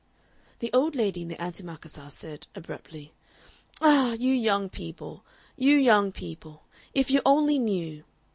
The old lady in the antimacassar said, abruptly, "Ah! you young people, you young people, if you only knew!"